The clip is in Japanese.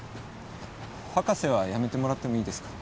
博士はやめてもらってもいいですか。